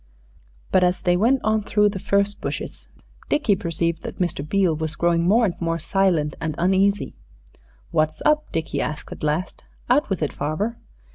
But as they went on through the furze bushes Dickie perceived that Mr. Beale was growing more and more silent and uneasy. "What's up?" Dickie asked at last. "Out with it, farver."